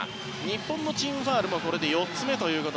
日本のチームファウルもこれで４つ目。